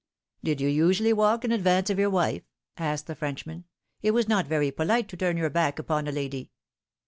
" Did you usually walk in advance of your wife ?" asked the Frenchman. " It was not very polite to turn your back upon a lady."